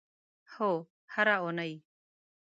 هو، هره اونۍ